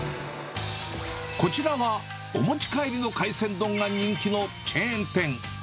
こちらは、お持ち帰りの海鮮丼が人気のチェーン店。